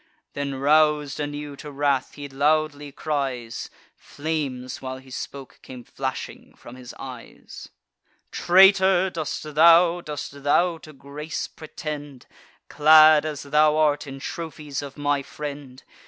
Then, rous'd anew to wrath, he loudly cries (Flames, while he spoke, came flashing from his eyes) "Traitor, dost thou, dost thou to grace pretend, Clad, as thou art, in trophies of my friend?